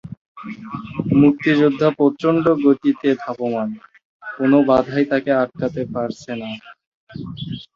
মুক্তিযোদ্ধা প্রচণ্ড গতিতে ধাবমান, কোন বাঁধাই তাকে আটকাতে পারছে না।